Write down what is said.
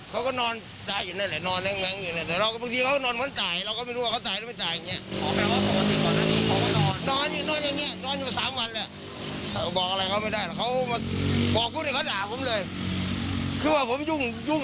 เขาก็นอนตายอยู่นั่นแหละนอนแรงอยู่เนี่ยแต่เราก็บางทีเขานอนเหมือนจ่ายเราก็ไม่รู้ว่าเขาจ่ายหรือไม่จ่ายอย่างนี้